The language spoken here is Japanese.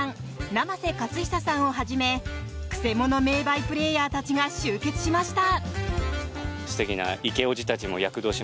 生瀬勝久さんをはじめクセもの名バイプレーヤーたちが集結しました！